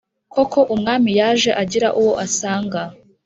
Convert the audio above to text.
koko umwami yaje agira uwo asanga.